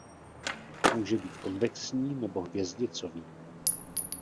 Může být konvexní nebo hvězdicový.